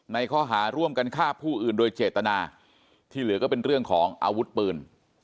ข้อหาร่วมกันฆ่าผู้อื่นโดยเจตนาที่เหลือก็เป็นเรื่องของอาวุธปืน